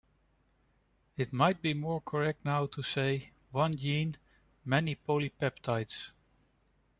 It might be more correct now to say "One gene - many polypeptides".